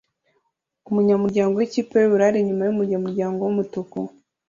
Umunyamuryango wikipe yubururu ari inyuma yumunyamuryango wumutuku